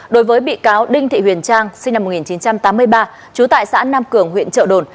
đối với bị cáo đinh thị huyền trang sinh năm một nghìn chín trăm tám mươi ba trú tại xã nam cường huyện trợ đồn